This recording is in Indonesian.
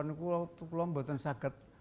saya membuat sagat